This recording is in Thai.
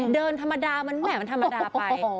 เดินธรรมดามันแหม่มันธรรมดาไป